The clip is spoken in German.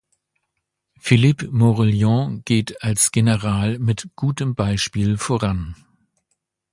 Philippe Morillon geht als General mit gutem Beispiel voran.